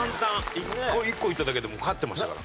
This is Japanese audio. １個１個いっただけでもう勝ってましたから。